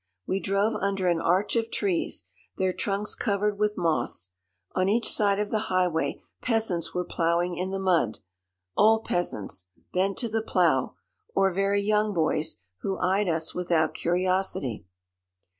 We drove under an arch of trees, their trunks covered with moss. On each side of the highway peasants were ploughing in the mud old peasants, bent to the plough, or very young boys, who eyed us without curiosity.